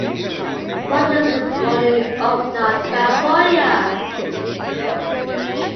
Rogers was born in Oxnard, California.